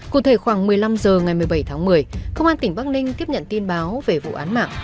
cụ thể khoảng một mươi năm h ngày một mươi bảy tháng một mươi công an tỉnh bắc ninh tiếp nhận tin báo về vụ án mạng